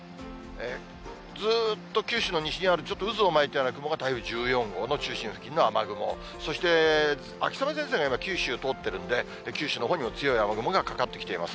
ずーっと九州の西にある、ちょっと渦を巻いたような雲が台風１４号の中心付近の雨雲、そして、秋雨前線が今、九州を通っているんで、九州のほうにも強い雨雲がかかってきています。